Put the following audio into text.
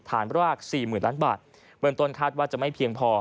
ฐานรากสี่หมื่นล้านบาทเบือนต้นคาดว่าจะไม่เพียงพอ